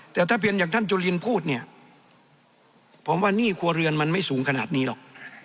แต่ถ้าเป็นอย่างท่านจุลินพูดเนี่ยผมว่าหนี้ครัวเรือนมันไม่สูงขนาดนี้หรอก